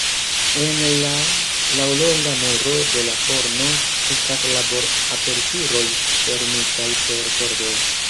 En la laŭlonga muro de la forno estas labor-aperturoj fermitaj per pordoj.